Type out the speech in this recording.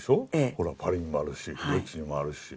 ほらパリにもあるしドイツにもあるし。